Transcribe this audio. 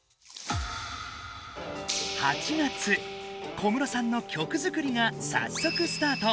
小室さんの曲作りがさっそくスタート。